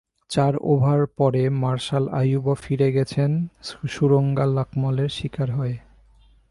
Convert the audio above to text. চার ওভার পরে মার্শাল আইয়ুবও ফিরে গেছেন সুরঙ্গা লাকমলের শিকার হয়ে।